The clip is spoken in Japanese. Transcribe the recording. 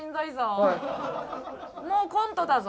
もうコントだぞ。